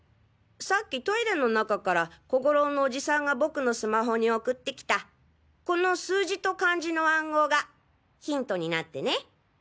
さっきトイレの中から小五郎のおじさんが僕のスマホに送ってきたこの数字と漢字の暗号がヒントになってね！